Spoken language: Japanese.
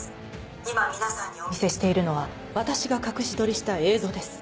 今皆さんにお見せしているのは私が隠し撮りした映像です。